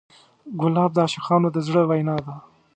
ګلاب د عاشقانو د زړه وینا ده.